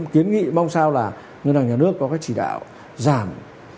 kiến nghị mong sao là ngân hàng nhà nước có cái chỉ đạo giảm